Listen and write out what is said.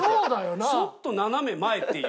ちょっと斜め前っていう。